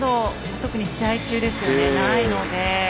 特に試合中ですよね、ないので。